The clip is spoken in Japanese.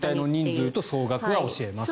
全体の人数と総額は教えますと。